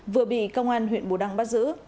vừa bị công an huyện bù đăng bắt giữ